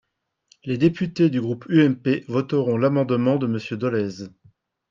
Les députés du groupe UMP voteront l’amendement de Monsieur Dolez.